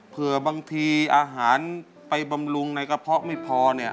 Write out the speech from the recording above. เผื่อบางทีอาหารไปบำรุงในกระเพาะไม่พอเนี่ย